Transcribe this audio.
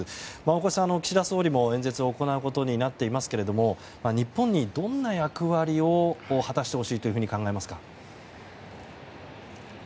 大越さん、岸田総理も演説を行うことになっていますけど日本にどんな役割を果たしてほしいと考えますか。